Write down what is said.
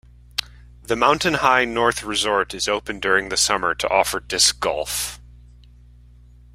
The Mountain High North Resort is open during the summer to offer disc golf.